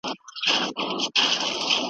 خلکو پړی وکوت